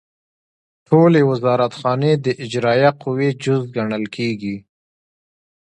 ټولې وزارتخانې د اجرائیه قوې جز ګڼل کیږي.